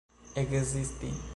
ekzisti